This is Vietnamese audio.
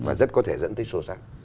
và rất có thể dẫn tới xô xa